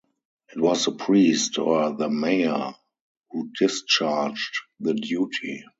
It was the priest or the mayor who discharged the duty.